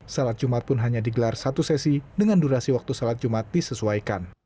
salat jumat pun hanya digelar satu sesi dengan durasi waktu sholat jumat disesuaikan